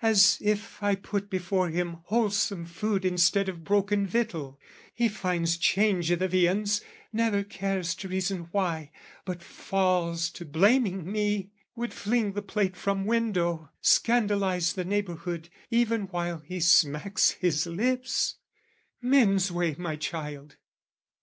"As if I put before him wholesome food "Instead of broken victual, he finds change "I' the viands, never cares to reason why, "But falls to blaming me, would fling the plate "From window, scandalise the neighbourhood, "Even while he smacks his lips, men's way, my child!